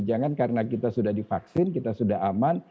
jangan karena kita sudah divaksin kita sudah aman